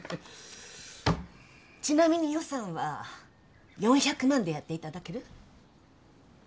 ちなみに予算は４００万でやっていただける？